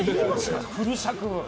フル尺。